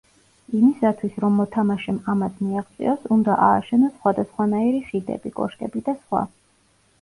იმისთვის რომ მოთამაშემ ამას მიაღწიოს უნდა ააშენოს სხვადასხვანაირი ხიდები, კოშკები და სხვა.